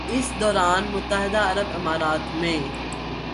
اس دوران متحدہ عرب امارات میں